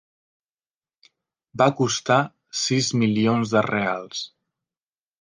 Va costar sis milions de reals.